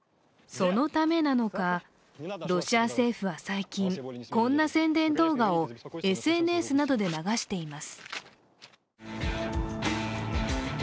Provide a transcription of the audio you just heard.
そのためなのか、ロシア政府は最近、こんな宣伝動画を、ＳＮＳなどで流しています。